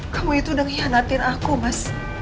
kamu itu udah ngianatin aku mas